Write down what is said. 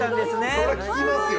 そりゃ聞きますよ。